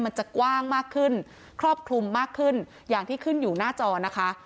มันจะกว้างมากขึ้นครอบคลุมมากขึ้นอย่างที่ขึ้นอยู่หน้าจอนะคะ